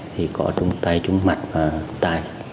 thì có đúng tay đúng mặt và tay